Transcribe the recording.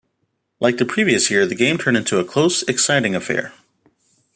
Like the previous year the game turned into a close, exciting affair.